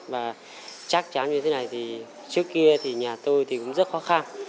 và chắc chắn như thế này thì trước kia thì nhà tôi thì cũng rất khó khăn